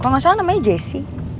kalau nggak salah namanya jesse